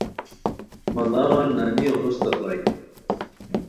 مڑاغان نا نیو ہوستہ پرائے